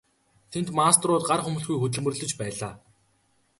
Тэнд мастерууд гар хумхилгүй хөдөлмөрлөж байлаа.